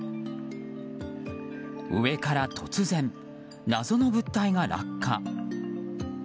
上から突然、謎の物体が落下。